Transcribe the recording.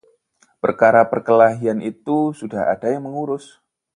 perkara perkelahian itu sudah ada yang mengurus